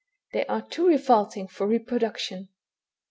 They are too revolting for reproduction.